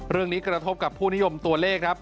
เรื่องนี้กระทบกับผู้นิยมตัวเลขครับ